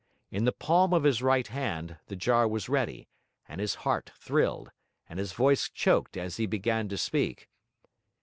In the palm of his right hand, the jar was ready; and his heart thrilled, and his voice choked as he began to speak.